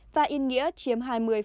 và yên nghĩa chiếm hai mươi hai